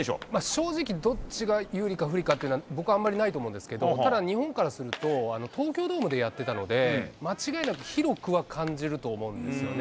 正直、どっちが有利か不利かっていうのは、僕はあんまりないと思うんですけど、ただ、日本からすると東京ドームでやってたので、間違いなく広くは感じると思うんですよね。